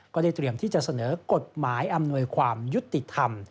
ก็ได้เตรียมที่จะเสนอกฎหมายอำนวยความยุติธรรม